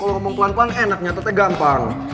kalau ngomong pelan pelan enak nyatanya gampang